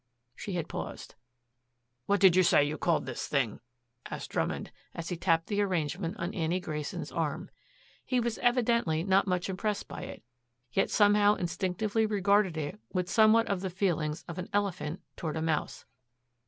She had paused. "What did you say you called this thing?" asked Drummond as he tapped the arrangement on Annie Grayson's arm. He was evidently not much impressed by it, yet somehow instinctively regarded it with somewhat of the feelings of an elephant toward a mouse.